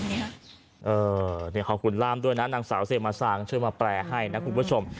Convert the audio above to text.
นี่ขอบคุณล่ามด้วยนะนางสาวเซมาซางช่วยมาแปลให้นะคุณผู้ชม